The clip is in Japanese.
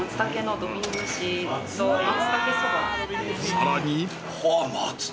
［さらに］